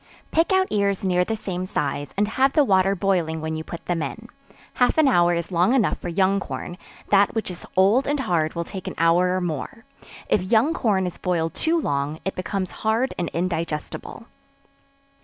Pick out ears near the same size, and have the water boiling when you put them in; half an hour is long enough for young corn; that which is old and hard will take an hour or more; if young corn is boiled too long, it becomes hard and indigestible.